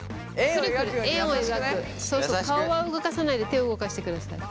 そうそう顔は動かさないで手を動かしてください。